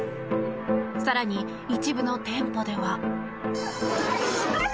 更に、一部の店舗では。